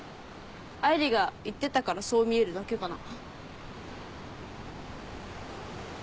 愛梨が言ってたからそう見えるだけかな。